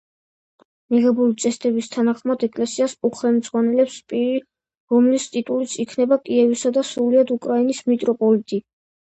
მიღებული წესდების თანახმად, ეკლესიას უხელმძღვანელებს პირი რომლის ტიტულიც იქნება „კიევისა და სრულიად უკრაინის მიტროპოლიტი“.